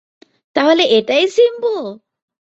তাহলে এটাই জিম্বো!